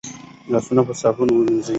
لاسونه په صابون ووينځئ